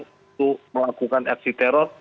untuk melakukan aksi teror